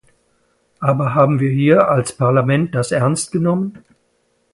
Aber haben wir hier als Parlament das ernst genommen?